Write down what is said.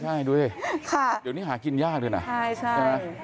ใช่ด้วยค่ะเดี๋ยวนี้หากินยากด้วยน่ะใช่